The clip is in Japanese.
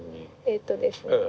えっとですね